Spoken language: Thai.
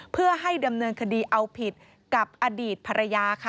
เพื่อให้ดำเนินคดีเอาผิดกับอดีตภรรยาค่ะ